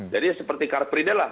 jadi seperti carpreide lah